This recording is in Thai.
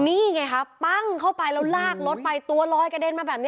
นี่ไงคะปั้งเข้าไปแล้วลากรถไปตัวลอยกระเด็นมาแบบนี้